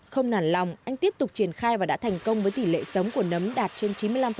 không nản lòng anh tiếp tục triển khai và đã thành công với tỷ lệ sống của nấm đạt trên chín mươi năm